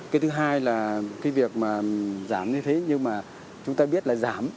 cái thứ hai là cái việc mà giảm như thế nhưng mà chúng ta biết là giảm